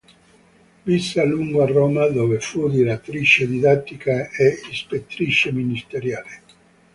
Visse a lungo a Roma dove fu direttrice didattica e ispettrice ministeriale.